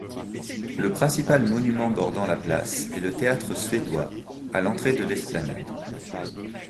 Le principal monument bordant la place est le théâtre suédois, à l'entrée de l'esplanade.